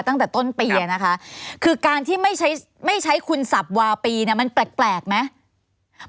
ตั้งแต่ต้นปีนะคะคือการที่ไม่ใช้คุณสับวาปีมันแปลกไหม